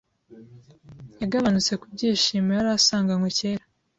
yagabanutse kubyishimo yarasanganywe kera